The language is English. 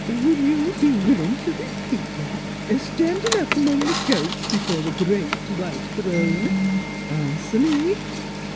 u Would you be willin' t' repeat that, a standin' up amongst the goats b'fore th' great white throne? Ans wer me!